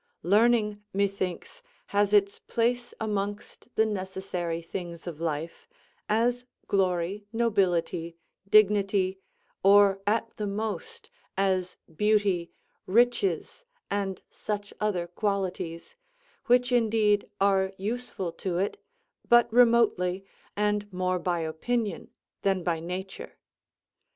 Learning, methinks, has its place amongst the necessary, things of life, as glory, nobility, dignity, or at the most, as beauty, riches, and such other qualities, which indeed are useful to it, but remotely, and more by opinion than by nature.